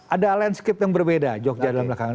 ada landscape yang berbeda jogja dalam belakangan